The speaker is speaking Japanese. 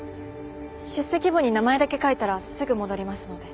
出席簿に名前だけ書いたらすぐ戻りますので。